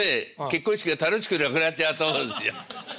結婚式が楽しくなくなっちゃうと思うんですよ。